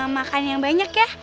makan yang banyak ya